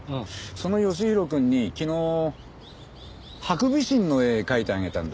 その吉宏くんに昨日ハクビシンの絵描いてあげたんだ。